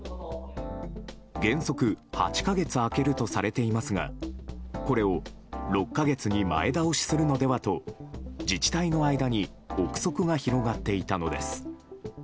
原則８か月空けるとされていますがこれを６か月に前倒しするのではと自治体の間に憶測が広がっていたのです。